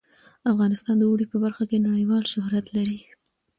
افغانستان د اوړي په برخه کې نړیوال شهرت لري.